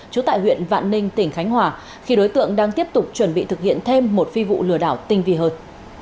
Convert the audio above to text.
trú tại huyện vạn ninh tỉnh khánh hòa khi đối tượng đang tiếp tục chuẩn bị thực hiện thêm một phi vụ lừa đảo tinh vị hơn